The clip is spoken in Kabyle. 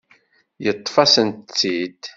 Yeṭṭef-asent-tt-id.